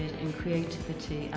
và viện văn hóa